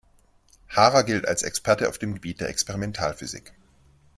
Haarer gilt als Experte auf dem Gebiet der Experimentalphysik.